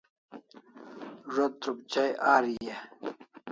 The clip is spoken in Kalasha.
Zo't trup chai Ari e?